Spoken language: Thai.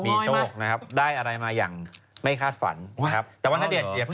มีโชคนะครับได้อะไรมาอย่างไม่คาดฝันนะครับ